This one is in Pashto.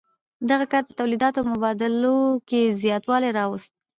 دغه کار په تولیداتو او مبادلو کې زیاتوالی راوست.